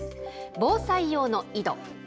防災用の井戸。